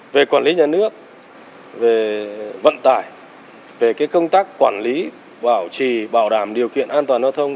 về quản lý nhà nước về vận tải về công tác quản lý bảo trì bảo đảm điều kiện an toàn giao thông